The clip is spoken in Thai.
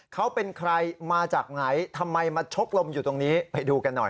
เขาเป็นใครมาจากไหนทำไมมาชกลมอยู่ตรงนี้ไปดูกันหน่อย